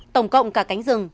tổng cộng cả cánh rừng